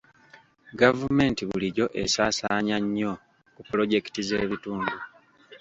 Gavumenti bulijjo esaasaanya nnyo ku pulojekiti z'ebitundu.